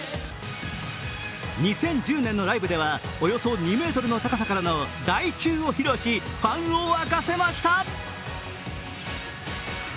２０１０年のライブではおよそ２ｍの高さからの台宙を披露し、ファンを沸かせました。